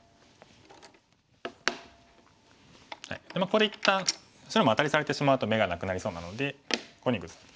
ここで一旦白もアタリされてしまうと眼がなくなりそうなのでここにグズむ。